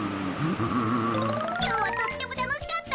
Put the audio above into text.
きょうはとってもたのしかった。